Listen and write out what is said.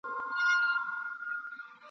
په دوستي یې د ټولواک رضاکومه !.